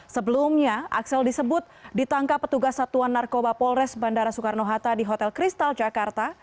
sebelumnya axel disebut ditangkap petugas satuan narkoba polres bandara soekarno hatta di hotel kristal jakarta